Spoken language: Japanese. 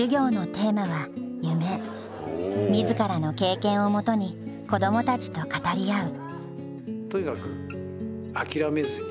自らの経験をもとに子供たちと語り合う。